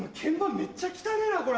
めっちゃ汚ねぇなこれ。